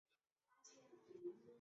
奇鳗为康吉鳗科奇鳗属的鱼类。